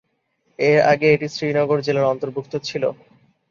এর আগে এটি শ্রীনগর জেলার অন্তর্ভুক্ত ছিল।